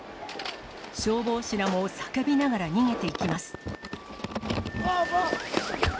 消防士らも叫びながら逃げていきます。